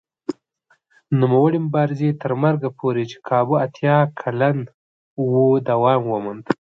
نوموړي مبارزې تر مرګه پورې چې کابو اتیا کلن و دوام وموند.